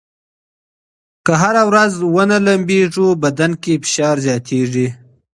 که هره ورځ لامبو ونه ووهئ، بدن کې فشار زیاتېږي.